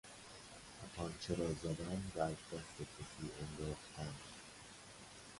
تپانچه را زدن و از دست کسی انداختن